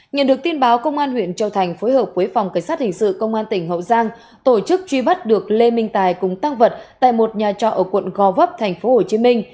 nhận được tin báo công an huyện châu thành phối hợp quế phòng cảnh sát hình sự công an tỉnh hậu giang tổ chức truy bắt được lê minh tài cùng tăng vật tại một nhà trọ ở quận gò vấp tp hcm